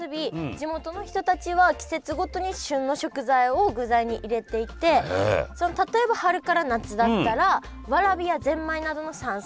地元の人たちは季節ごとに旬の食材を具材に入れていて例えば春から夏だったらわらびやぜんまいなどの山菜。